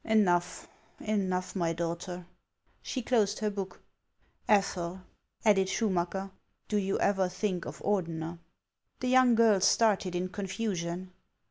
" Enough, enough, my daughter !" She closed her book. " Ethel," added Schumacker, " do you ever think of Ordener ?" The young girl started in confusion.